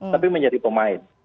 tapi menjadi pemain